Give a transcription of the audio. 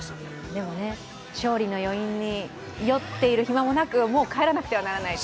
でもね、勝利の余韻に酔っている暇もなく、もう帰らなきゃいけないと。